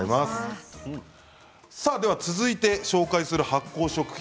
続いて紹介する発酵食品